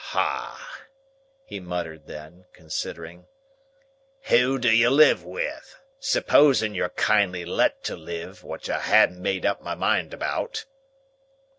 "Ha!" he muttered then, considering. "Who d'ye live with,—supposin' you're kindly let to live, which I han't made up my mind about?"